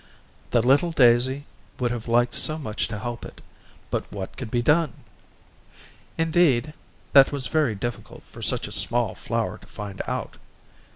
The little daisy would have liked so much to help it, but what could be done? Indeed, that was very difficult for such a small flower to find out.